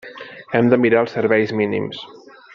Hem de mirar els serveis mínims.